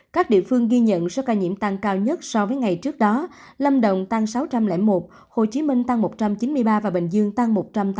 các địa phương ghi nhận số ca nhiễm tăng cao nhất so với ngày trước đó lâm đồng tăng sáu trăm linh một hồ chí minh tăng một trăm chín mươi ba và bình dương tăng một trăm tám mươi